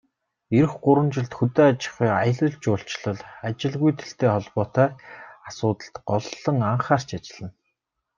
Ирэх гурван жилд хөдөө аж ахуй, аялал жуулчлал, ажилгүйдэлтэй холбоотой асуудалд голлон анхаарч ажиллана.